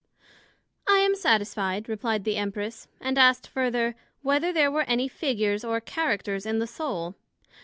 I am satisfied, replied the Empress; and asked further, Whether there were any Figures or Characters in the Soul?